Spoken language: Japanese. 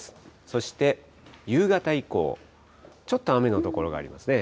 そして、夕方以降、ちょっと雨の所がありますね。